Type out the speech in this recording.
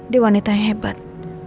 dia wanita yang hebat